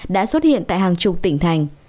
đã xuất hiện tại hàng chục tỉnh thành